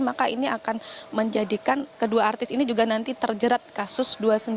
maka ini akan menjadikan kedua artis ini juga nanti terjerat kasus dua ratus sembilan puluh